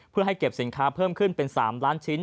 เพื่อให้เก็บสินค้าเพิ่มขึ้นเป็น๓ล้านชิ้น